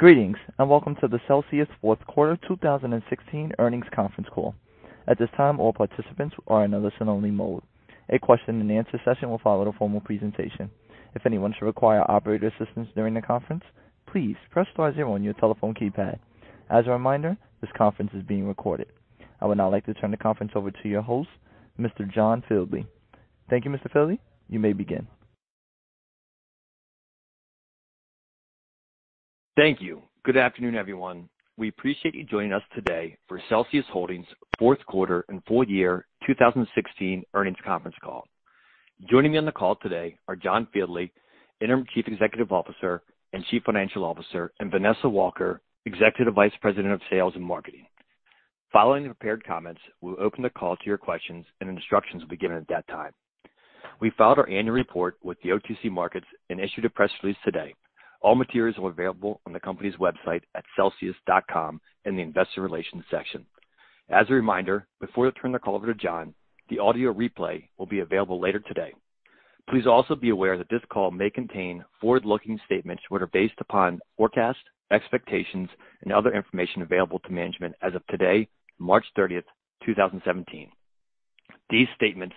Greetings, and welcome to the Celsius fourth quarter 2016 earnings conference call. At this time, all participants are in listen-only mode. A question and answer session will follow the formal presentation. If anyone should require operator assistance during the conference, please press star zero on your telephone keypad. As a reminder, this conference is being recorded. I would now like to turn the conference over to your host, Mr. John Fieldly. Thank you, Mr. Fieldly. You may begin. Thank you. Good afternoon, everyone. We appreciate you joining us today for Celsius Holdings' fourth quarter and full year 2016 earnings conference call. Joining me on the call today are John Fieldly, Interim Chief Executive Officer and Chief Financial Officer, and Vanessa Walker, Executive Vice President of Sales and Marketing. Following the prepared comments, we'll open the call to your questions, and instructions will be given at that time. We filed our annual report with the OTC Markets and issued a press release today. All materials are available on the company's website at celsius.com in the investor relations section. As a reminder, before I turn the call over to John, the audio replay will be available later today. Please also be aware that this call may contain forward-looking statements which are based upon forecasts, expectations, and other information available to management as of today, March 30, 2017. These statements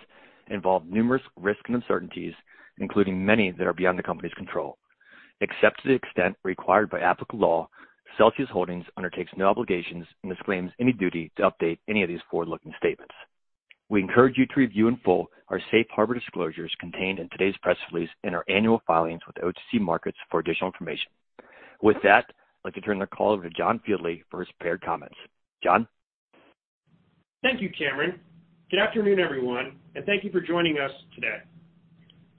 involve numerous risks and uncertainties, including many that are beyond the company's control. Except to the extent required by applicable law, Celsius Holdings undertakes no obligations and disclaims any duty to update any of these forward-looking statements. We encourage you to review in full our safe harbor disclosures contained in today's press release and our annual filings with OTC Markets for additional information. With that, I'd like to turn the call over to John Fieldly for his prepared comments. John? Thank you, Cameron. Good afternoon, everyone, and thank you for joining us today.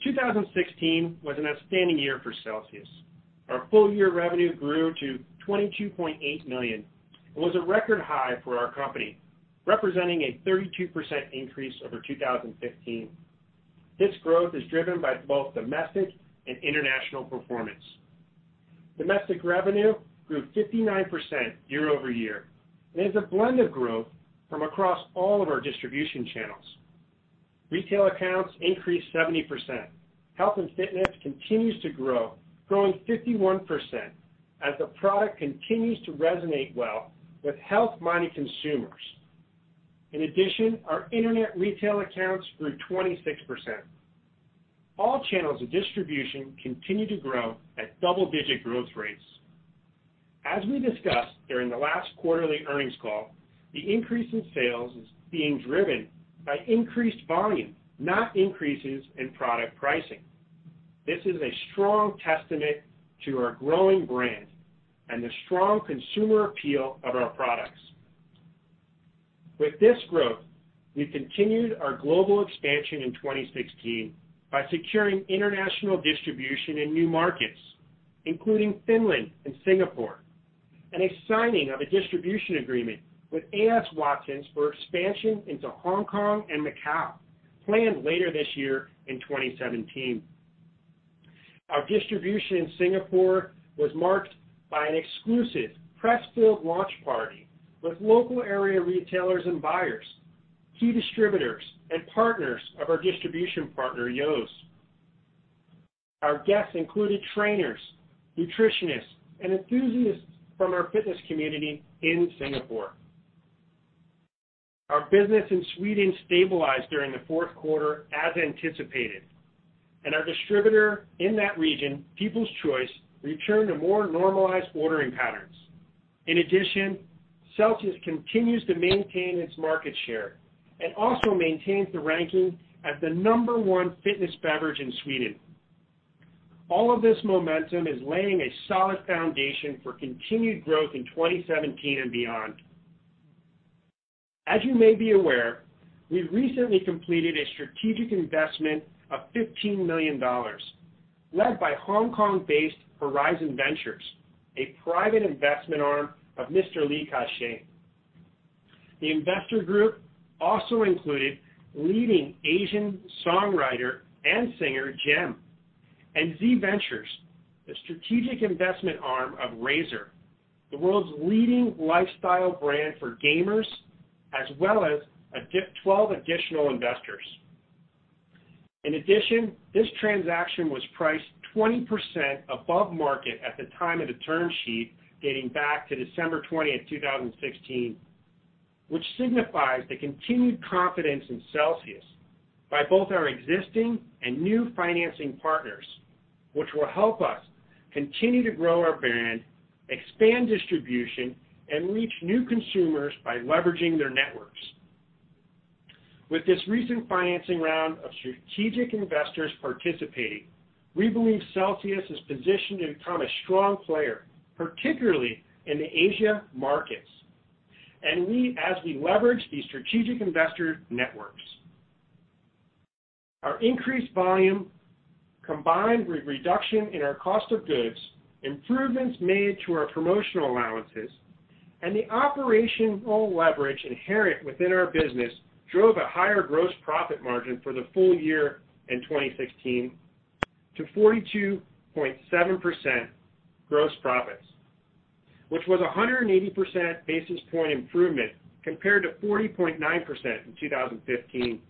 2016 was an outstanding year for Celsius. Our full-year revenue grew to $22.8 million and was a record high for our company, representing a 32% increase over 2015. This growth is driven by both domestic and international performance. Domestic revenue grew 59% year-over-year and is a blend of growth from across all of our distribution channels. Retail accounts increased 70%. Health and fitness continues to grow, growing 51% as the product continues to resonate well with health-minded consumers. In addition, our internet retail accounts grew 26%. All channels of distribution continue to grow at double-digit growth rates. As we discussed during the last quarterly earnings call, the increase in sales is being driven by increased volume, not increases in product pricing. This is a strong testament to our growing brand and the strong consumer appeal of our products. With this growth, we continued our global expansion in 2016 by securing international distribution in new markets, including Finland and Singapore, and a signing of a distribution agreement with A.S. Watson Group for expansion into Hong Kong and Macau planned later this year in 2017. Our distribution in Singapore was marked by an exclusive press field launch party with local area retailers and buyers, key distributors, and partners of our distribution partner, Yeo's. Our guests included trainers, nutritionists, and enthusiasts from our fitness community in Singapore. Our business in Sweden stabilized during the fourth quarter as anticipated, and our distributor in that region, People's Choice, returned to more normalized ordering patterns. In addition, Celsius continues to maintain its market share and also maintains the ranking as the number one fitness beverage in Sweden. All of this momentum is laying a solid foundation for continued growth in 2017 and beyond. As you may be aware, we recently completed a strategic investment of $15 million led by Hong Kong-based Horizons Ventures, a private investment arm of Mr. Li Ka-shing. The investor group also included leading Asian songwriter and singer G.E.M., and zVentures, the strategic investment arm of Razer, the world's leading lifestyle brand for gamers, as well as 12 additional investors. In addition, this transaction was priced 20% above market at the time of the term sheet dating back to December 20th, 2016, which signifies the continued confidence in Celsius by both our existing and new financing partners, which will help us continue to grow our brand, expand distribution, and reach new consumers by leveraging their networks. With this recent financing round of strategic investors participating, we believe Celsius is positioned to become a strong player, particularly in the Asia markets as we leverage these strategic investor networks. Our increased volume, combined with reduction in our cost of goods, improvements made to our promotional allowances, and the operational leverage inherent within our business drove a higher gross profit margin for the full year in 2016 to 42.7% gross profits, which was 180 basis point improvement compared to 40.9% in 2015.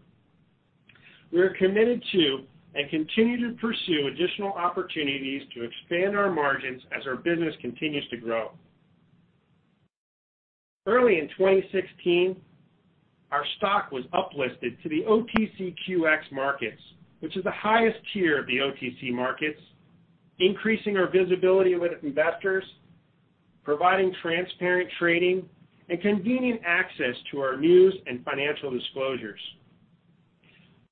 We are committed to and continue to pursue additional opportunities to expand our margins as our business continues to grow. Early in 2016, our stock was uplisted to the OTCQX markets, which is the highest tier of the OTC Markets, increasing our visibility with investors, providing transparent trading, and convenient access to our news and financial disclosures.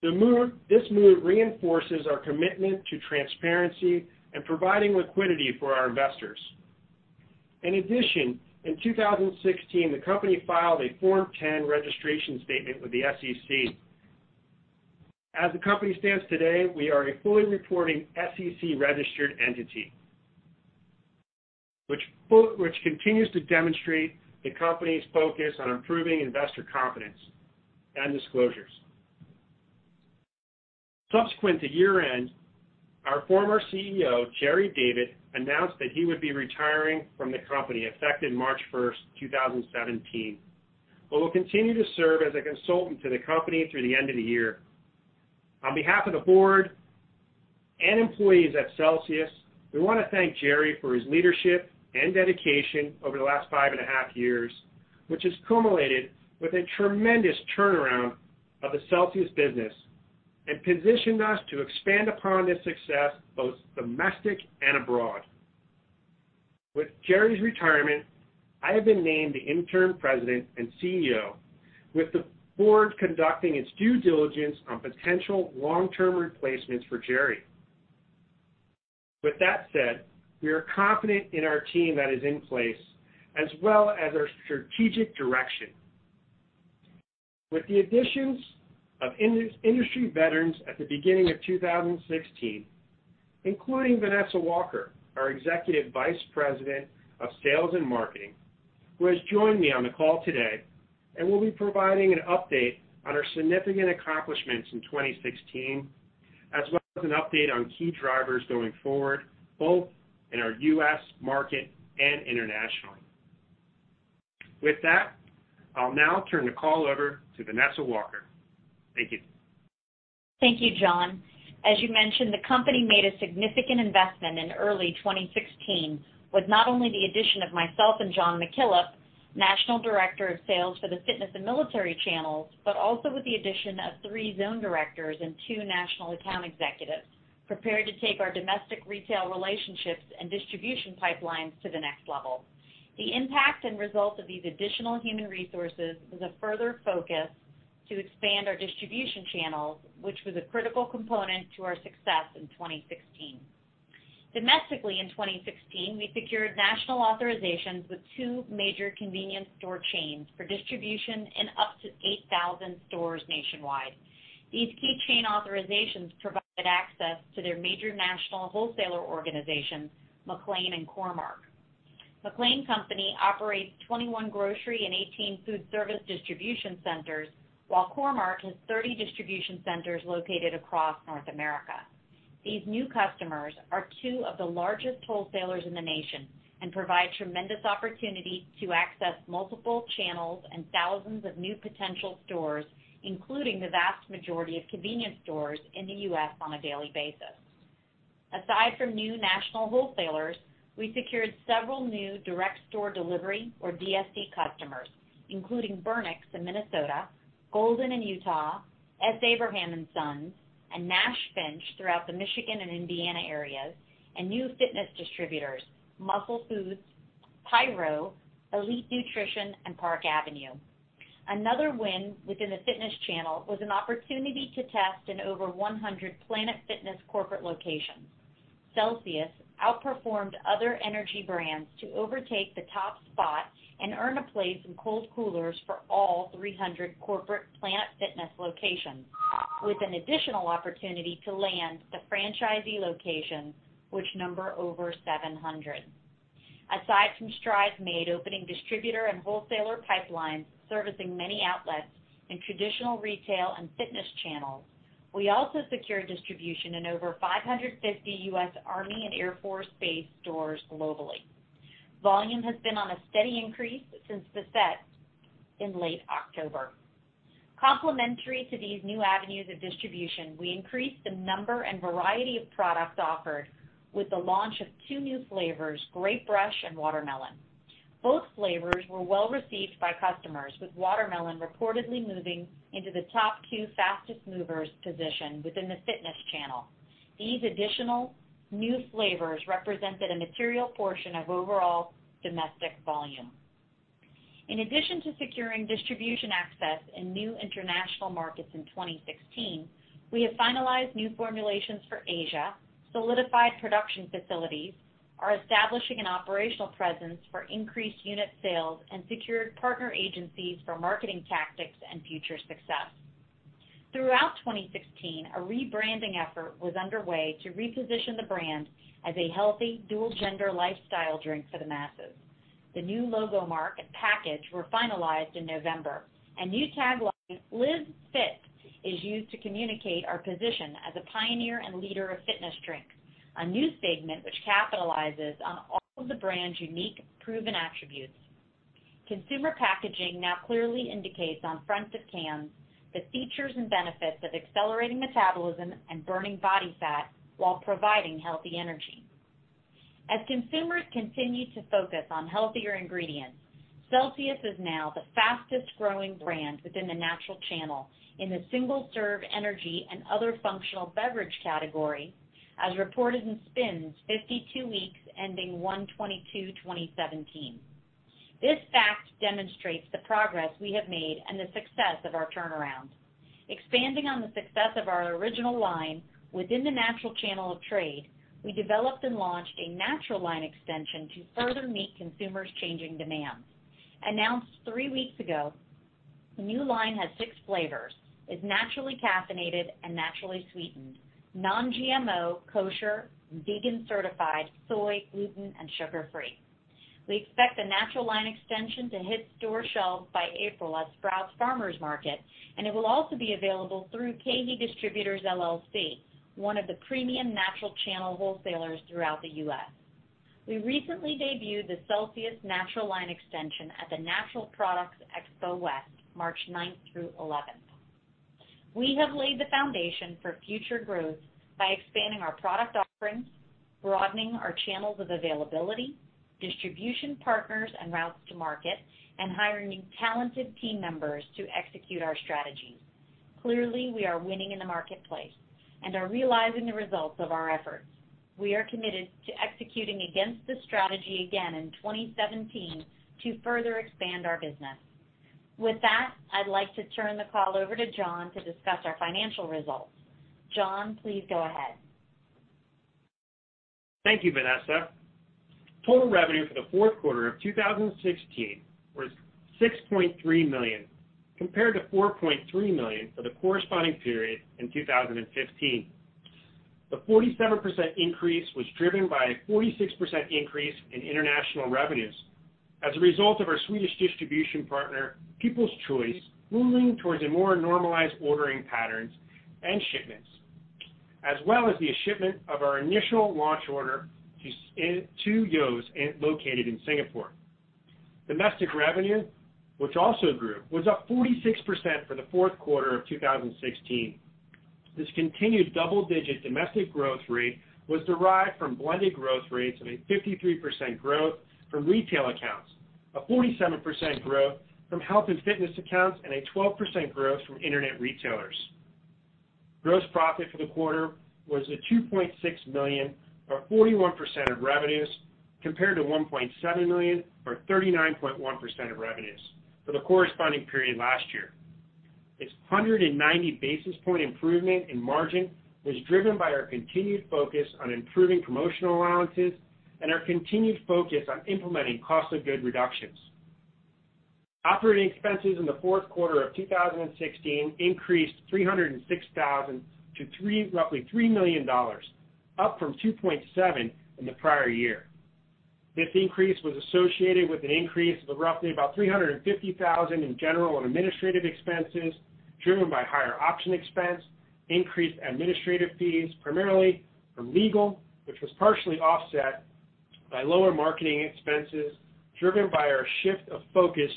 This move reinforces our commitment to transparency and providing liquidity for our investors. In addition, in 2016, the company filed a Form 10 registration statement with the SEC. As the company stands today, we are a fully reporting SEC-registered entity, which continues to demonstrate the company's focus on improving investor confidence and disclosures. Subsequent to year-end, our former CEO, Gerry David, announced that he would be retiring from the company, effective March 1st, 2017. Will continue to serve as a consultant to the company through the end of the year. On behalf of the board and employees at Celsius, we want to thank Gerry for his leadership and dedication over the last five and a half years, which has culminated with a tremendous turnaround of the Celsius business and positioned us to expand upon this success both domestic and abroad. With Gerry's retirement, I have been named the interim President and CEO, with the board conducting its due diligence on potential long-term replacements for Gerry. With that said, we are confident in our team that is in place as well as our strategic direction. With the additions of industry veterans at the beginning of 2016, including Vanessa Walker, our Executive Vice President of Sales and Marketing, who has joined me on the call today and will be providing an update on our significant accomplishments in 2016, as well as an update on key drivers going forward, both in our U.S. market and internationally. With that, I'll now turn the call over to Vanessa Walker. Thank you. Thank you, John. As you mentioned, the company made a significant investment in early 2016 with not only the addition of myself and Jon McKillop, National Director of Sales for the fitness and military channels, but also with the addition of three zone directors and two national account executives prepared to take our domestic retail relationships and distribution pipelines to the next level. The impact and result of these additional human resources was a further focus to expand our distribution channels, which was a critical component to our success in 2016. Domestically in 2016, we secured national authorizations with two major convenience store chains for distribution in up to 8,000 stores nationwide. These key chain authorizations provided access to their major national wholesaler organizations, McLane and Core-Mark. McLane Company operates 21 grocery and 18 food service distribution centers, while Core-Mark has 30 distribution centers located across North America. These new customers are two of the largest wholesalers in the nation and provide tremendous opportunity to access multiple channels and thousands of new potential stores, including the vast majority of convenience stores in the U.S. on a daily basis. Aside from new national wholesalers, we secured several new direct store delivery or DSD customers, including Bernick's in Minnesota, Golden in Utah, S. Abraham & Sons, and Nash Finch throughout the Michigan and Indiana areas, and new fitness distributors Muscle Foods, Pyro, Elite Nutrition, and Park Avenue. Another win within the fitness channel was an opportunity to test in over 100 Planet Fitness corporate locations. Celsius outperformed other energy brands to overtake the top spot and earn a place in cold coolers for all 300 corporate Planet Fitness locations, with an additional opportunity to land the franchisee locations, which number over 700. Aside from strides made opening distributor and wholesaler pipelines servicing many outlets in traditional retail and fitness channels, we also secured distribution in over 550 U.S. Army and Air Force base stores globally. Volume has been on a steady increase since the set in late October. Complementary to these new avenues of distribution, we increased the number and variety of products offered with the launch of two new flavors, Grape Rush and Watermelon. Both flavors were well received by customers, with Watermelon reportedly moving into the top two fastest movers position within the fitness channel. These additional new flavors represented a material portion of overall domestic volume. In addition to securing distribution access in new international markets in 2016, we have finalized new formulations for Asia, solidified production facilities, are establishing an operational presence for increased unit sales, and secured partner agencies for marketing tactics and future success. Throughout 2016, a rebranding effort was underway to reposition the brand as a healthy dual-gender lifestyle drink for the masses. The new logo mark and package were finalized in November. New tagline, "Live Fit," is used to communicate our position as a pioneer and leader of fitness drinks, a new segment which capitalizes on all of the brand's unique proven attributes. Consumer packaging now clearly indicates on fronts of cans the features and benefits of accelerating metabolism and burning body fat while providing healthy energy. As consumers continue to focus on healthier ingredients, Celsius is now the fastest growing brand within the natural channel in the single-serve energy and other functional beverage category, as reported in SPINS 52 weeks ending 1/22/2017. This fact demonstrates the progress we have made and the success of our turnaround. Expanding on the success of our original line within the natural channel of trade, we developed and launched a natural line extension to further meet consumers' changing demands. Announced three weeks ago, the new line has six flavors, is naturally caffeinated and naturally sweetened, non-GMO, kosher, and vegan certified, soy, gluten, and sugar-free. We expect the natural line extension to hit store shelves by April at Sprouts Farmers Market, and it will also be available through KeHE Distributors, LLC, one of the premium natural channel wholesalers throughout the U.S. We recently debuted the Celsius natural line extension at the Natural Products Expo West, March 9th through 11th. We have laid the foundation for future growth by expanding our product offerings, broadening our channels of availability, distribution partners, and routes to market, and hiring new talented team members to execute our strategy. Clearly, we are winning in the marketplace and are realizing the results of our efforts. We are committed to executing against this strategy again in 2017 to further expand our business. With that, I'd like to turn the call over to John to discuss our financial results. John, please go ahead. Thank you, Vanessa. Total revenue for the fourth quarter of 2016 was $6.3 million, compared to $4.3 million for the corresponding period in 2015. The 47% increase was driven by a 46% increase in international revenues as a result of our Swedish distribution partner, People's Choice, moving towards a more normalized ordering patterns and shipments. As well as the shipment of our initial launch order to Yo!s located in Singapore. Domestic revenue, which also grew, was up 46% for the fourth quarter of 2016. This continued double-digit domestic growth rate was derived from blended growth rates of a 53% growth from retail accounts, a 47% growth from health and fitness accounts, and a 12% growth from internet retailers. Gross profit for the quarter was at $2.6 million, or 41% of revenues, compared to $1.7 million or 39.1% of revenues for the corresponding period last year. Its 190 basis point improvement in margin was driven by our continued focus on improving promotional allowances and our continued focus on implementing cost of good reductions. Operating expenses in the fourth quarter of 2016 increased $306,000 to roughly $3 million, up from $2.7 million in the prior year. This increase was associated with an increase of roughly $350,000 in general and administrative expenses, driven by higher option expense, increased administrative fees, primarily from legal, which was partially offset by lower marketing expenses, driven by our shift of focus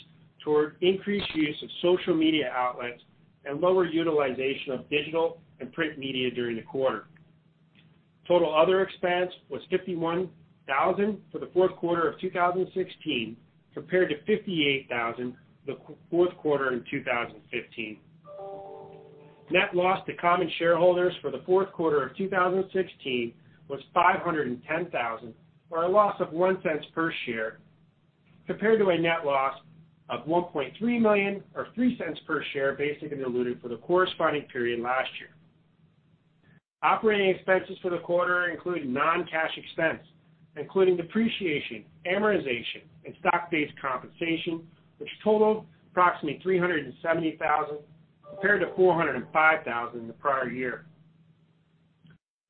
toward increased use of social media outlets and lower utilization of digital and print media during the quarter. Total other expense was $51,000 for the fourth quarter of 2016, compared to $58,000 the fourth quarter in 2015. Net loss to common shareholders for the fourth quarter of 2016 was $510,000, or a loss of $0.01 per share, compared to a net loss of $1.3 million or $0.03 per share, basic and diluted, for the corresponding period last year. Operating expenses for the quarter include non-cash expense, including depreciation, amortization, and stock-based compensation, which totaled approximately $370,000 compared to $405,000 in the prior year.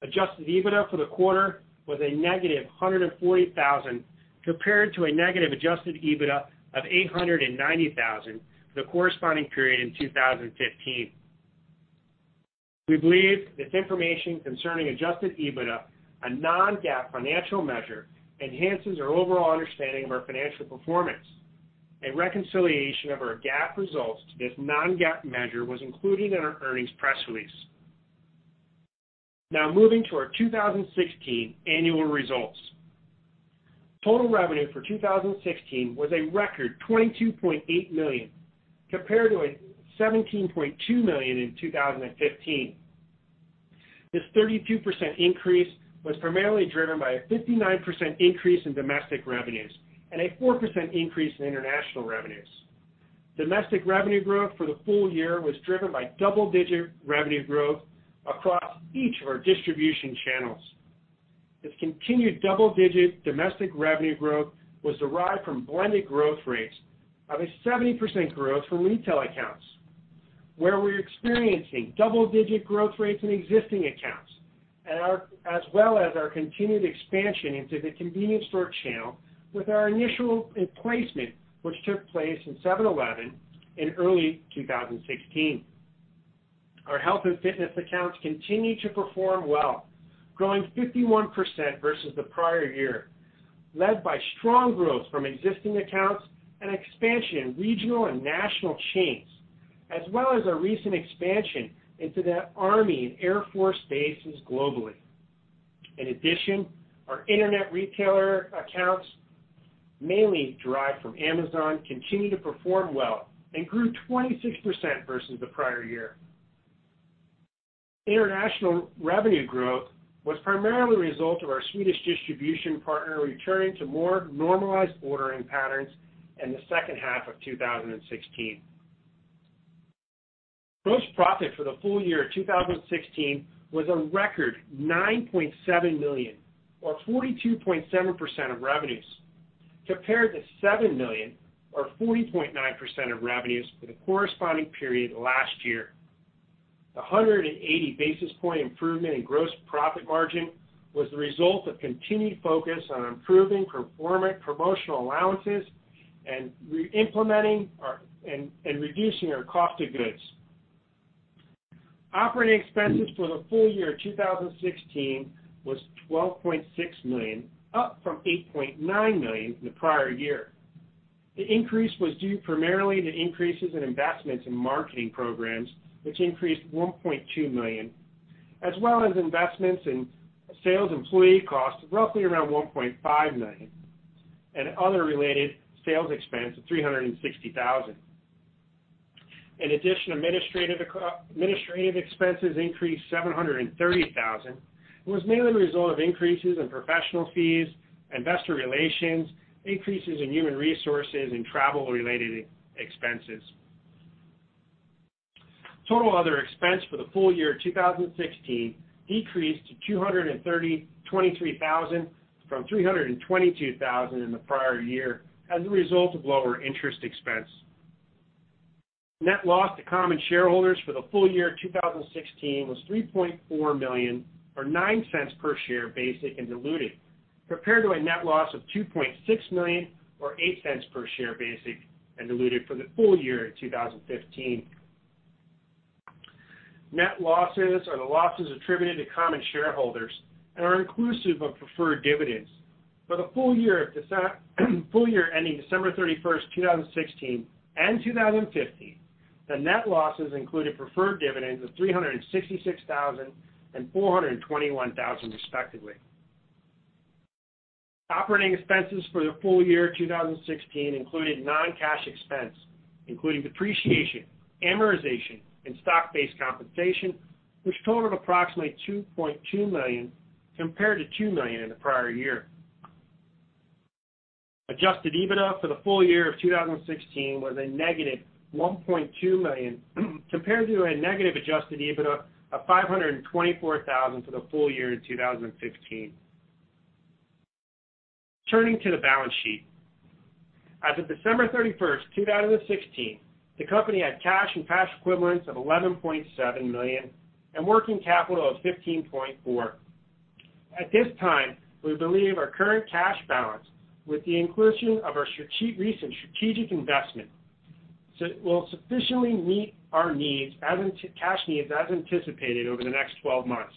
Adjusted EBITDA for the quarter was a negative $140,000 compared to a negative adjusted EBITDA of $890,000 for the corresponding period in 2015. We believe this information concerning adjusted EBITDA, a non-GAAP financial measure, enhances our overall understanding of our financial performance. A reconciliation of our GAAP results to this non-GAAP measure was included in our earnings press release. Moving to our 2016 annual results. Total revenue for 2016 was a record $22.8 million compared to $17.2 million in 2015. This 32% increase was primarily driven by a 59% increase in domestic revenues and a 4% increase in international revenues. Domestic revenue growth for the full year was driven by double-digit revenue growth across each of our distribution channels. This continued double-digit domestic revenue growth was derived from blended growth rates of a 70% growth from retail accounts, where we're experiencing double-digit growth rates in existing accounts, as well as our continued expansion into the convenience store channel with our initial placement, which took place in 7-Eleven in early 2016. Our health and fitness accounts continue to perform well, growing 51% versus the prior year, led by strong growth from existing accounts and expansion in regional and national chains, as well as our recent expansion into the Army and Air Force bases globally. In addition, our internet retailer accounts, mainly derived from Amazon, continue to perform well and grew 26% versus the prior year. International revenue growth was primarily a result of our Swedish distribution partner returning to more normalized ordering patterns in the second half of 2016. Gross profit for the full year 2016 was a record $9.7 million, or 42.7% of revenues, compared to $7 million, or 40.9% of revenues for the corresponding period last year. The 180 basis point improvement in gross profit margin was the result of continued focus on improving promotional allowances and reducing our cost of goods. Operating expenses for the full year 2016 was $12.6 million, up from $8.9 million the prior year. The increase was due primarily to increases in investments in marketing programs, which increased $1.2 million, as well as investments in sales employee costs of roughly around $1.5 million and other related sales expense of $360,000. In addition, administrative expenses increased $730,000 and was mainly the result of increases in professional fees, investor relations, increases in human resources and travel related expenses. Total other expense for the full year 2016 decreased to $223,000 from $322,000 in the prior year as a result of lower interest expense. Net loss to common shareholders for the full year 2016 was $3.4 million, or $0.09 per share basic and diluted, compared to a net loss of $2.6 million or $0.08 per share basic and diluted for the full year of 2015. Net losses are the losses attributed to common shareholders and are inclusive of preferred dividends. For the full year ending December 31st, 2016 and 2015, the net losses included preferred dividends of $366,000 and $421,000 respectively. Operating expenses for the full year 2016 included non-cash expense, including depreciation, amortization, and stock-based compensation, which totaled approximately $2.2 million, compared to $2 million in the prior year. Adjusted EBITDA for the full year of 2016 was a negative $1.2 million compared to a negative adjusted EBITDA of $524,000 for the full year in 2015. Turning to the balance sheet. As of December 31st, 2016, the company had cash and cash equivalents of $11.7 million and working capital of $15.4. At this time, we believe our current cash balance, with the inclusion of our recent strategic investment, will sufficiently meet our cash needs as anticipated over the next 12 months.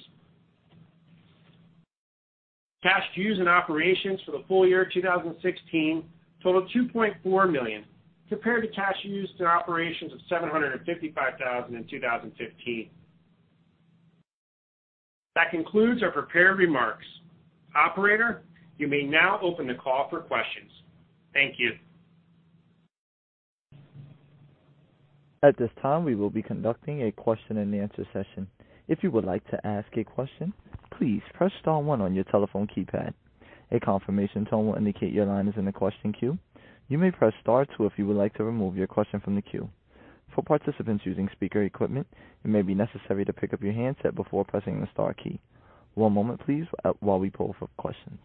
Cash used in operations for the full year 2016 totaled $2.4 million, compared to cash used in operations of $755,000 in 2015. That concludes our prepared remarks. Operator, you may now open the call for questions. Thank you. At this time, we will be conducting a question and answer session. If you would like to ask a question, please press star one on your telephone keypad. A confirmation tone will indicate your line is in the question queue. You may press star two if you would like to remove your question from the queue. For participants using speaker equipment, it may be necessary to pick up your handset before pressing the star key. One moment please while we poll for questions.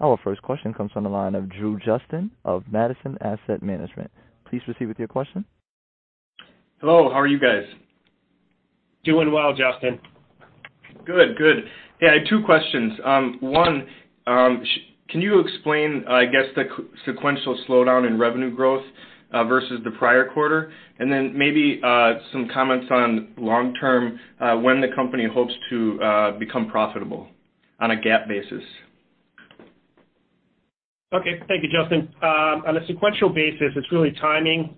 Our first question comes from the line of Drew Justman of Madison Asset Management. Please proceed with your question. Hello, how are you guys? Doing well, Justman. Good. Yeah, I have two questions. One, can you explain, I guess, the sequential slowdown in revenue growth versus the prior quarter? Maybe some comments on long term when the company hopes to become profitable on a GAAP basis. Okay. Thank you, Justman. On a sequential basis, it's really timing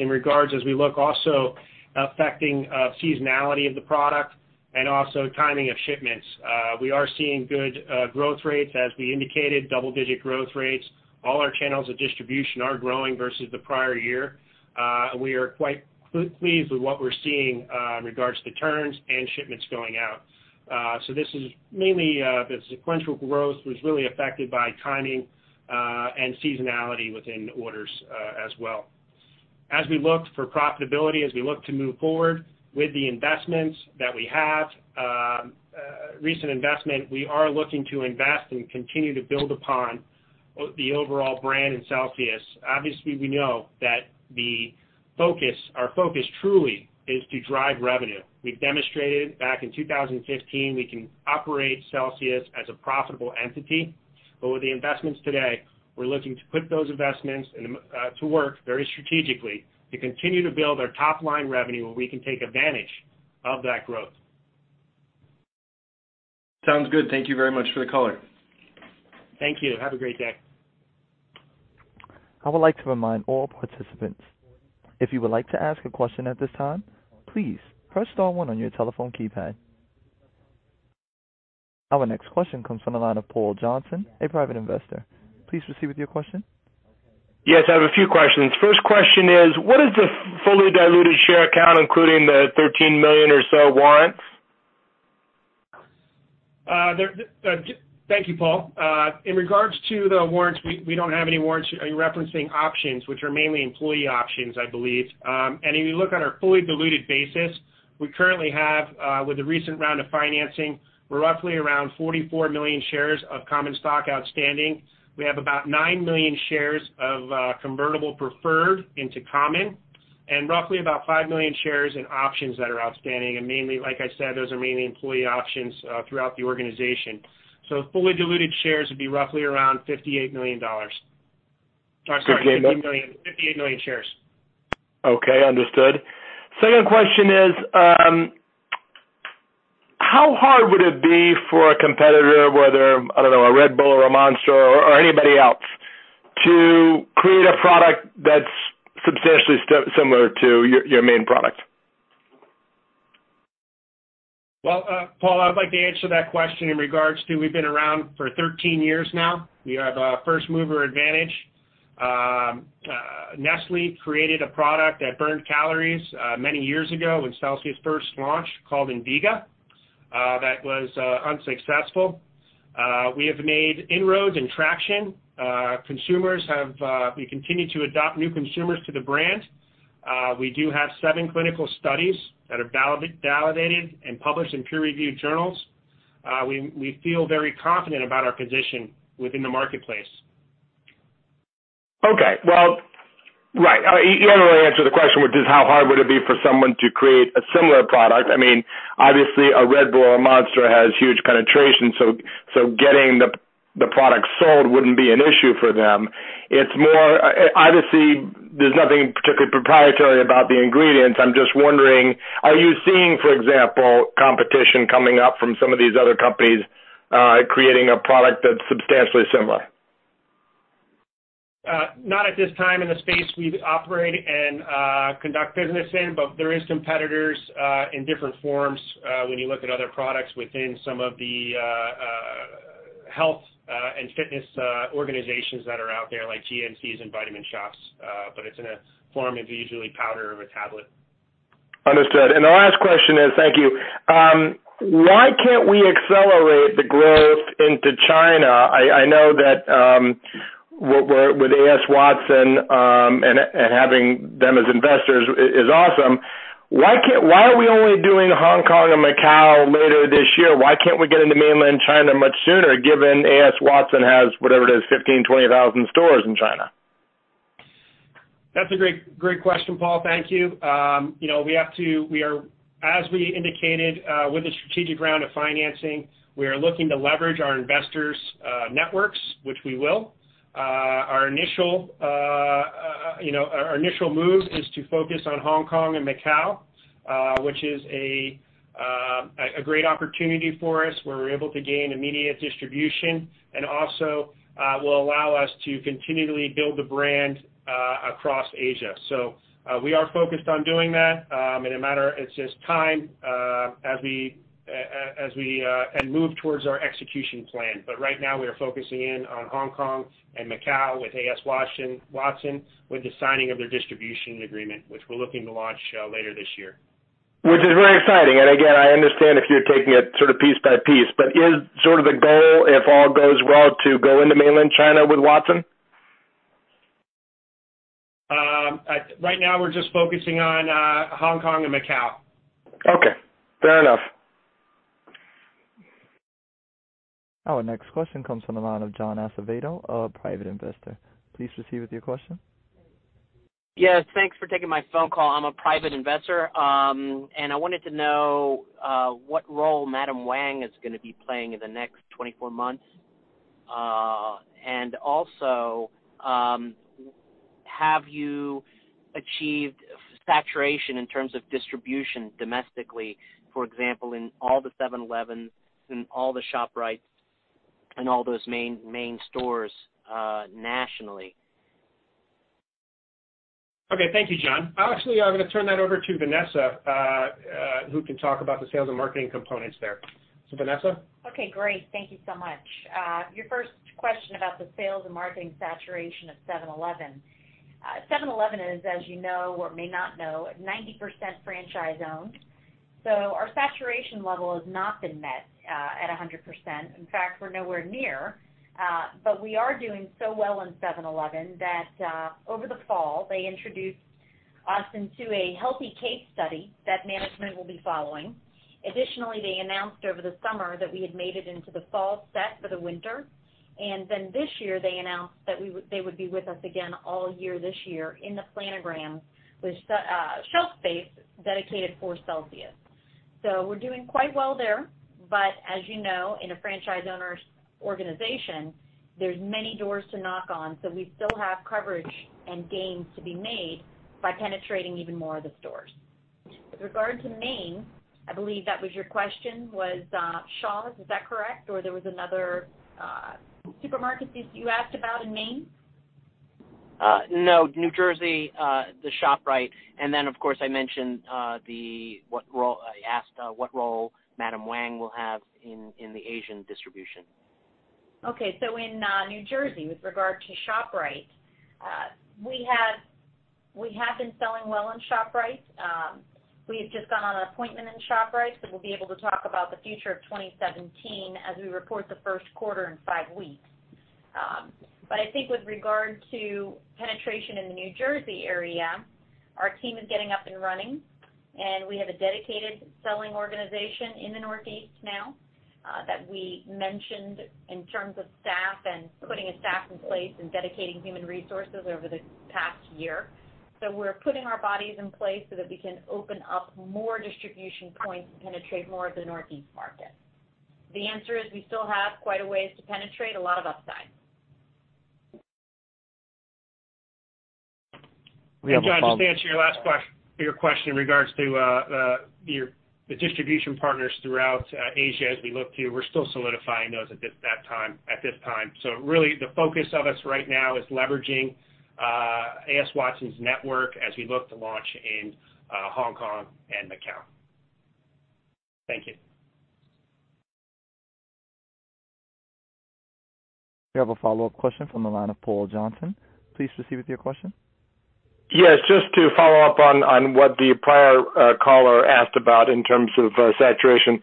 in regards as we look also affecting seasonality of the product and also timing of shipments. We are seeing good growth rates as we indicated, double digit growth rates. All our channels of distribution are growing versus the prior year. We are quite pleased with what we're seeing in regards to turns and shipments going out. This is mainly the sequential growth was really affected by timing and seasonality within orders as well. As we look for profitability, as we look to move forward with the investments that we have, recent investment, we are looking to invest and continue to build upon the overall brand in Celsius. Obviously, we know that our focus truly is to drive revenue. We've demonstrated back in 2015 we can operate Celsius as a profitable entity. We're looking to put those investments to work very strategically to continue to build our top-line revenue where we can take advantage of that growth. Sounds good. Thank you very much for the color. Thank you. Have a great day. I would like to remind all participants, if you would like to ask a question at this time, please press star one on your telephone keypad. Our next question comes from the line of Paul Johnson, a private investor. Please proceed with your question. Yes, I have a few questions. First question is, what is the fully diluted share count, including the 13 million or so warrants? Thank you, Paul. In regards to the warrants, we don't have any warrants. You're referencing options, which are mainly employee options, I believe. If you look at our fully diluted basis, we currently have, with the recent round of financing, roughly around 44 million shares of common stock outstanding. We have about 9 million shares of convertible preferred into common and roughly about 5 million shares in options that are outstanding. Mainly, like I said, those are mainly employee options throughout the organization. So fully diluted shares would be roughly around $58 million. Sorry, 58 million shares. Okay, understood. Second question is, how hard would it be for a competitor, whether, I don't know, a Red Bull or a Monster or anybody else, to create a product that's substantially similar to your main product? Well, Paul, I would like to answer that question in regards to, we've been around for 13 years now. We have a first-mover advantage. Nestlé created a product that burned calories many years ago when Celsius first launched, called Enviga. That was unsuccessful. We have made inroads and traction. We continue to adopt new consumers to the brand. We do have seven clinical studies that are validated and published in peer-reviewed journals. We feel very confident about our position within the marketplace. Okay. Well, right. You haven't really answered the question, which is how hard would it be for someone to create a similar product? Obviously, a Red Bull or a Monster has huge penetration, so getting the product sold wouldn't be an issue for them. Obviously, there's nothing particularly proprietary about the ingredients. I'm just wondering, are you seeing, for example, competition coming up from some of these other companies, creating a product that's substantially similar? Not at this time in the space we operate and conduct business in, but there is competitors in different forms when you look at other products within some of the health and fitness organizations that are out there, like GNC and vitamin shops, but it's in a form of usually powder or a tablet. Understood. The last question is, thank you. Why can't we accelerate the growth into China? I know that with A.S. Watson, and having them as investors is awesome. Why are we only doing Hong Kong and Macau later this year? Why can't we get into mainland China much sooner, given A.S. Watson has, whatever it is, 15,000, 20,000 stores in China? That's a great question, Paul. Thank you. As we indicated with the strategic round of financing, we are looking to leverage our investors' networks, which we will. Our initial move is to focus on Hong Kong and Macau, which is a great opportunity for us, where we're able to gain immediate distribution and also will allow us to continually build the brand across Asia. We are focused on doing that in a matter, it's just time and move towards our execution plan. Right now, we are focusing in on Hong Kong and Macau with A.S. Watson with the signing of their distribution agreement, which we're looking to launch later this year. Which is very exciting. Again, I understand if you're taking it piece by piece, is the goal, if all goes well, to go into mainland China with Watson? Right now, we're just focusing on Hong Kong and Macau. Okay. Fair enough. Our next question comes from the line of John Acevedo, a private investor. Please proceed with your question. Yes, thanks for taking my phone call. I'm a private investor, and I wanted to know what role Madam Wang is going to be playing in the next 24 months. Also, have you achieved saturation in terms of distribution domestically, for example, in all the 7-Eleven, in all the ShopRite, and all those main stores nationally? Okay. Thank you, John. Actually, I'm going to turn that over to Vanessa, who can talk about the sales and marketing components there. Vanessa? Okay, great. Thank you so much. Your first question about the sales and marketing saturation of 7-Eleven. 7-Eleven is, as you know or may not know, 90% franchise-owned. Our saturation level has not been met at 100%. In fact, we're nowhere near. We are doing so well in 7-Eleven that over the fall, they introduced us into a healthy case study that management will be following. Additionally, they announced over the summer that we had made it into the fall set for the winter. This year, they announced that they would be with us again all year this year in the planogram with shelf space dedicated for Celsius. We're doing quite well there. As you know, in a franchise owner organization, there's many doors to knock on. We still have coverage and gains to be made by penetrating even more of the stores. With regard to Maine, I believe that was your question, was Shaw's. Is that correct? There was another supermarket you asked about in Maine? No, New Jersey, the ShopRite. Of course, I asked what role Madam Wang will have in the Asian distribution. Okay. In New Jersey, with regard to ShopRite, we have been selling well in ShopRite. We've just gone on an appointment in ShopRite, we'll be able to talk about the future of 2017 as we report the first quarter in five weeks. I think with regard to penetration in the New Jersey area, our team is getting up and running, and we have a dedicated selling organization in the Northeast now that we mentioned in terms of staff and putting a staff in place and dedicating human resources over the past year. We're putting our bodies in place so that we can open up more distribution points and penetrate more of the Northeast market. The answer is we still have quite a ways to penetrate, a lot of upside. We have a follow-up. John, just to answer your question in regards to the distribution partners throughout Asia, we're still solidifying those at this time. Really the focus of us right now is leveraging A.S. Watson's network as we look to launch in Hong Kong and Macau. Thank you. We have a follow-up question from the line of Paul Johnson. Please proceed with your question. Yes, just to follow up on what the prior caller asked about in terms of saturation.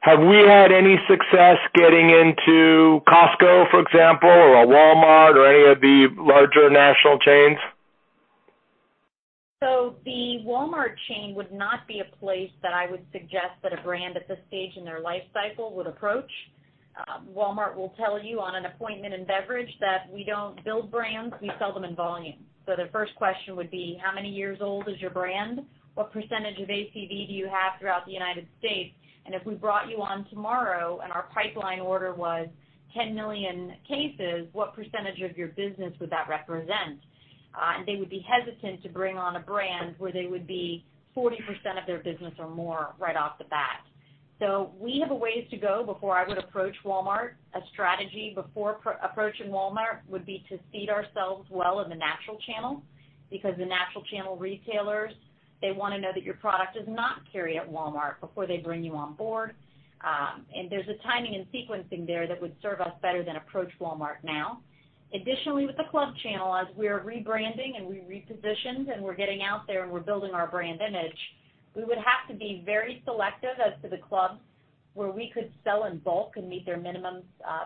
Have we had any success getting into Costco, for example, or a Walmart or any of the larger national chains? The Walmart chain would not be a place that I would suggest that a brand at this stage in their life cycle would approach. Walmart will tell you on an appointment in beverage that we don't build brands, we sell them in volume. Their first question would be, how many years old is your brand? What percentage of ACV do you have throughout the United States? If we brought you on tomorrow and our pipeline order was 10 million cases, what percentage of your business would that represent? They would be hesitant to bring on a brand where they would be 40% of their business or more right off the bat. We have a ways to go before I would approach Walmart. A strategy before approaching Walmart would be to seed ourselves well in the natural channel, because the natural channel retailers, they want to know that your product is not carried at Walmart before they bring you on board. There's a timing and sequencing there that would serve us better than approach Walmart now. Additionally, with the club channel, as we are rebranding and we repositioned and we're getting out there and we're building our brand image, we would have to be very selective as to the clubs where we could sell in bulk and meet their minimum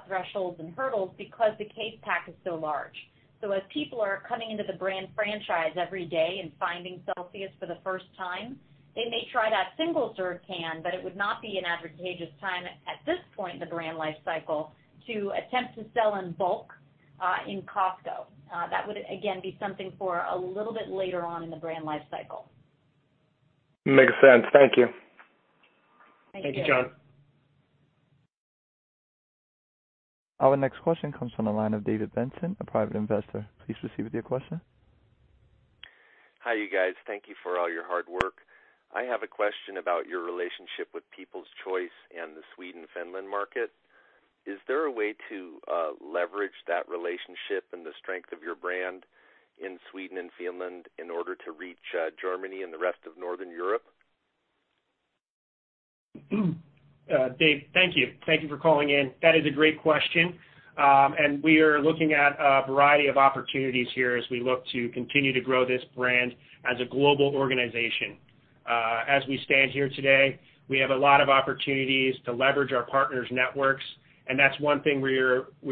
thresholds and hurdles because the case pack is so large. As people are coming into the brand franchise every day and finding Celsius for the first time, they may try that single-serve can, but it would not be an advantageous time at this point in the brand life cycle to attempt to sell in bulk in Costco. That would, again, be something for a little bit later on in the brand life cycle. Makes sense. Thank you. Thank you. Thank you, John. Our next question comes from the line of David Benson, a private investor. Please proceed with your question. Hi, you guys. Thank you for all your hard work. I have a question about your relationship with People's Choice and the Sweden, Finland market. Is there a way to leverage that relationship and the strength of your brand in Sweden and Finland in order to reach Germany and the rest of Northern Europe? Dave, thank you. Thank you for calling in. That is a great question. We are looking at a variety of opportunities here as we look to continue to grow this brand as a global organization. As we stand here today, we have a lot of opportunities to leverage our partners' networks, and that's one thing we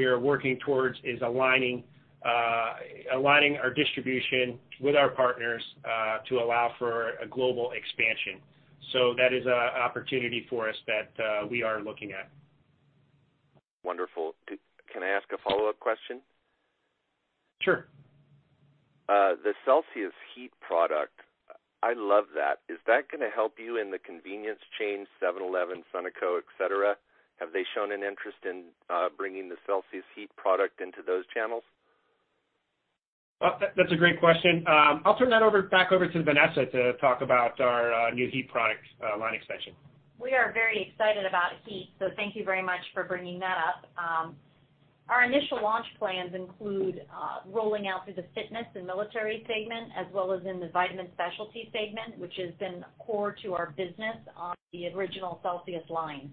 are working towards, is aligning our distribution with our partners to allow for a global expansion. That is an opportunity for us that we are looking at. Wonderful. Can I ask a follow-up question? Sure. The CELSIUS HEAT product, I love that. Is that going to help you in the convenience chain, 7-Eleven, Sunoco, et cetera? Have they shown an interest in bringing the CELSIUS HEAT product into those channels? That's a great question. I'll turn that back over to Vanessa to talk about our new Heat product line expansion. We are very excited about Heat. Thank you very much for bringing that up. Our initial launch plans include rolling out through the fitness and military segment as well as in the vitamin specialty segment, which has been core to our business on the original Celsius line.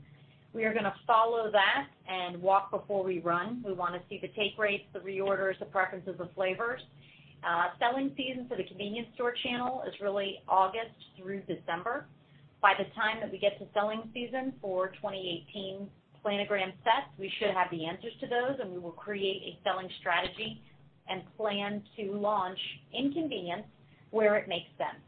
We are going to follow that and walk before we run. We want to see the take rates, the reorders, the preferences of flavors. Selling season for the convenience store channel is really August through December. By the time that we get to selling season for 2018 planogram sets, we should have the answers to those, and we will create a selling strategy and plan to launch in convenience where it makes sense.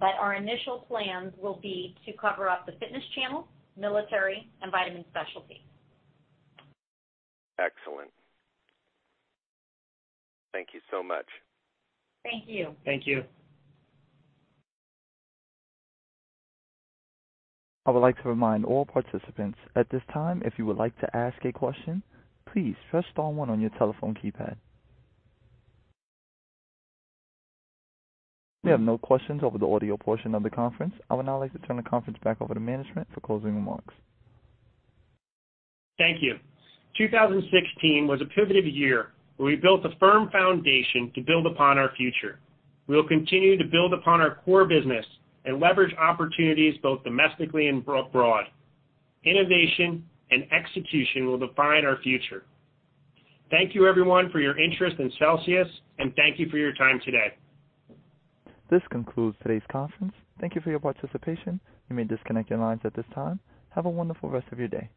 Our initial plans will be to cover up the fitness channel, military, and vitamin specialty. Excellent. Thank you so much. Thank you. Thank you. I would like to remind all participants, at this time, if you would like to ask a question, please press star one on your telephone keypad. We have no questions over the audio portion of the conference. I would now like to turn the conference back over to management for closing remarks. Thank you. 2016 was a pivoted year where we built a firm foundation to build upon our future. We'll continue to build upon our core business and leverage opportunities both domestically and abroad. Innovation and execution will define our future. Thank you, everyone, for your interest in Celsius, and thank you for your time today. This concludes today's conference. Thank you for your participation. You may disconnect your lines at this time. Have a wonderful rest of your day.